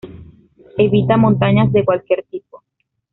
Evita montañas de cualquier tipo.